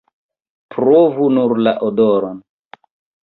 Provu nur la odoron!